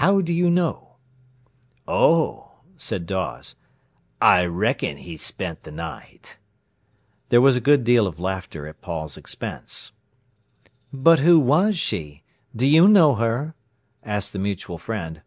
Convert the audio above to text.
"How do you know?" "Oh," said Dawes, "I reckon he spent th' night—" There was a good deal of laughter at Paul's expense. "But who was she? D'you know her?" asked the mutual friend.